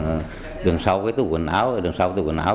khi đưa pháo về thì gọi là cất giấu ở đường sau cái tủ quần áo